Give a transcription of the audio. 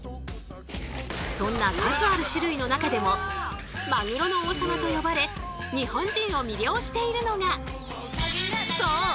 そんな数ある種類の中でもマグロの王様と呼ばれ日本人を魅了しているのがそう！